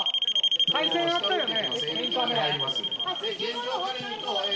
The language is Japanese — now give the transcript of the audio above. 回線あったよね。